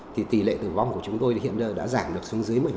thì tỷ lệ tử vong của chúng tôi thì hiện giờ đã giảm được xuống dưới một mươi